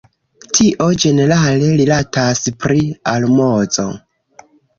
Tio ĝenerale rilatas pri almozo.